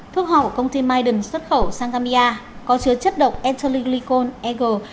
thuốc ho của công ty maiden xuất khẩu sang gambia có chứa chất độc ethylglucone eg